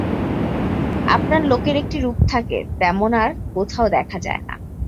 আপনার লোকের একটি রূপ থাকে, তেমন আর কোথাও দেখা যায় না।